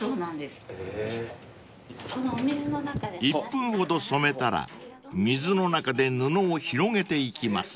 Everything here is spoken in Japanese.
［１分ほど染めたら水の中で布を広げていきます］